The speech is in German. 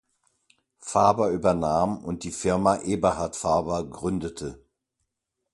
Faber übernahm und die Firma Eberhard Faber gründete.